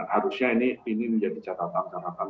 harusnya ini menjadi catatan